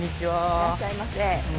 いらっしゃいませ。